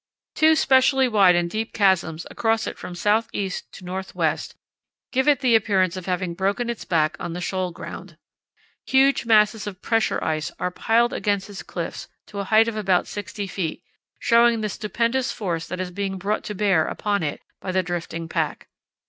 Two specially wide and deep chasms across it from south east to north west give it the appearance of having broken its back on the shoal ground. Huge masses of pressure ice are piled against its cliffs to a height of about 60 ft., showing the stupendous force that is being brought to bear upon it by the drifting pack.